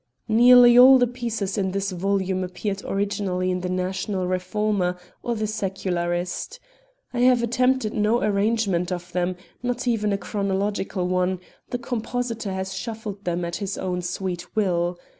Nearly all the pieces in this volume appeared originally in the National Reformer or the Secularist. I have attempted no arrangement of them, not even a chronological one; the compositor has shuffled them at his own sweet will.